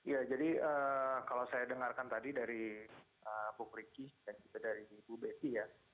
ya jadi kalau saya dengarkan tadi dari bu pricky dan juga dari bu betty ya